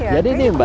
jadi ini mbak